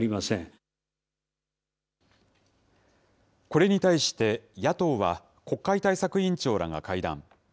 これに対して、野党は国会対策委員長らが会談。